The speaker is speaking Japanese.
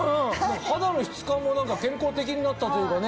肌の質感も健康的になったというかね